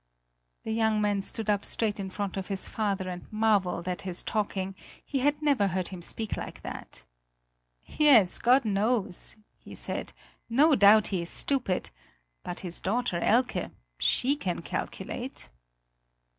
The young man stood up straight in front of his father and marveled at his talking; he had never heard him speak like that. "Yes, God knows," he said, "no doubt he is stupid, but his daughter Elke, she can calculate!"